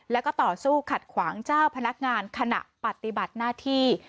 แล้วก็ต่อสู้ขัดขวางเจ้าพนักงานขณะปฏิบัติหน้าที่